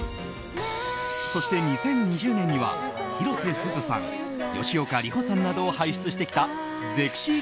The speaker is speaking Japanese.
そして２０２０年には広瀬すずさん吉岡里帆さんなどを輩出してきたゼクシィ